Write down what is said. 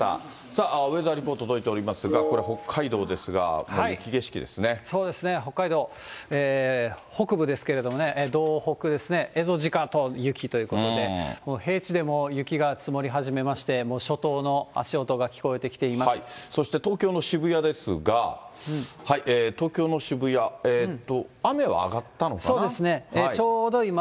さあ、ウェザーリポート届いておりますが、これ、北海道ですが、そうですね、北海道北部ですけれどもね、道北ですね、エゾジカと雪ということで、もう平地でも雪が積もり始めまして、もう初冬の足音が聞こえてきそして東京の渋谷ですが、東そうですね、